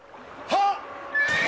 はっ！